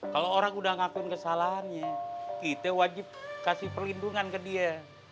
kalau orang udah ngakuin kesalahannya kita wajib kasih perlindungan ke dia